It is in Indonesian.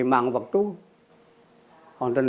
pada waktu lima jam